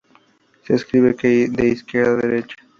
Se escribe de izquierda a derecha.